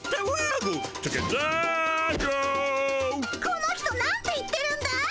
この人なんて言ってるんだい？